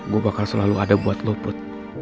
gue bakal selalu ada buat lo put